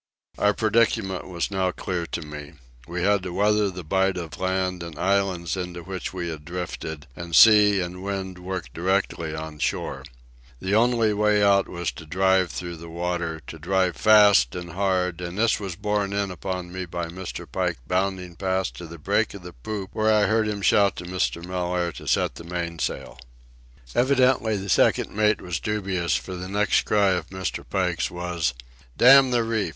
Our predicament was now clear to me. We had to weather the bight of land and islands into which we had drifted, and sea and wind worked directly on shore. The only way out was to drive through the water, to drive fast and hard, and this was borne in upon me by Mr. Pike bounding past to the break of the poop, where I heard him shout to Mr. Mellaire to set the mainsail. Evidently the second mate was dubious, for the next cry of Mr. Pike's was: "Damn the reef!